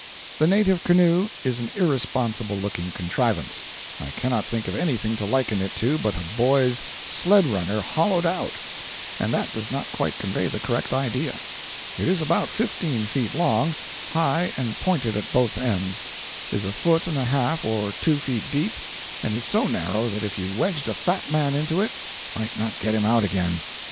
The native canoe is an irresponsible looking contrivance. I cannot think of anything to liken it to but a boy's sled runner hollowed out, and that does not quite convey the correct idea. It is about fifteen feet long, high and pointed at both ends, is a foot and a half or two feet deep, and so narrow that if you wedged a fat man into it you might not get him out again.